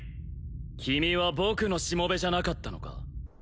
君は僕のしもべじゃなかったのか？